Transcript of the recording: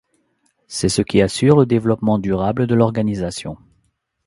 C'est ce qui assure le développement durable de l'organisation.